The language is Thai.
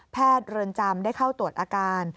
เรือนจำได้เข้าตรวจอาการ